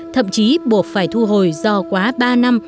thậm chí buộc phải thu hồi do quá ba năm